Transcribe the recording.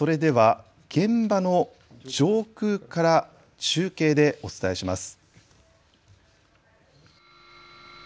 それでは現場の上空から中継でお伝えします。